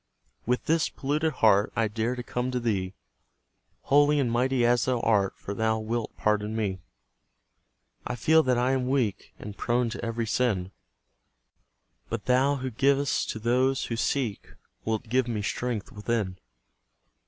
With this polluted heart, I dare to come to Thee, Holy and mighty as Thou art, For Thou wilt pardon me. I feel that I am weak, And prone to every sin; But Thou who giv'st to those who seek, Wilt give me strength within.